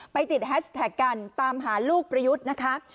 ติดแฮชแท็กกันตามหาลูกประยุทธ์นะคะ